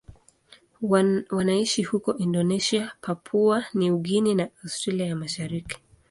Wanaishi huko Indonesia, Papua New Guinea na Australia ya Mashariki.